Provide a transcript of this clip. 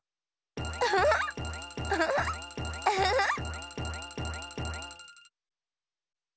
ウフフッウフフッウフフッ！